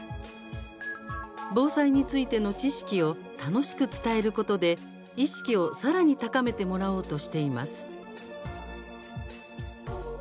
防災についての知識を楽しく伝えることで意識をさらに高めてもらおうとしています。